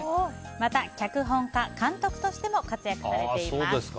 また脚本家、監督としても活躍されています。